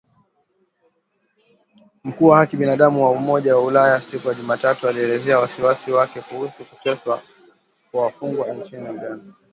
Mkuu wa haki za binadamu wa Umoja wa Ulaya siku ya Jumatano alielezea wasiwasi wake kuhusu kuteswa kwa wafungwa nchini Uganda